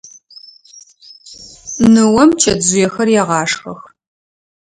Ныом чэтжъыехэр егъашхэх.